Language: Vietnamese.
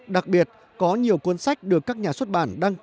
đặc biệt có nhiều cuốn sách được các nhà xuất bản đăng ký